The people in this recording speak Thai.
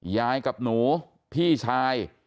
ยายกับหนูพี่ชาย